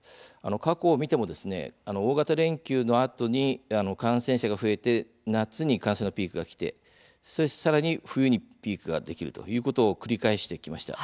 過去を見ても大型連休のあとに感染者が増えて夏に感染のピークがきてさらに冬にピークができるということを繰り返してきました。